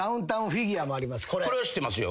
これは知ってますよ。